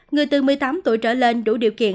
người từ một mươi tám tuổi trở lên đủ điều kiện